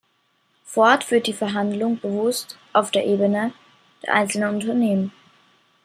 Ford führt die Verhandlungen bewusst auf der Ebene der einzelnen Unternehmen.